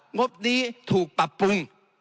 งบนี้ถูกปรับปรุง